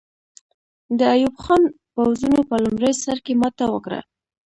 د ایوب خان پوځونو په لومړي سر کې ماته وکړه.